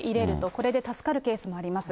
これで助かるケースがあります。